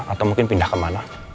atau mungkin pindah kemana